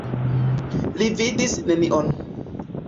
Li vidis nenion.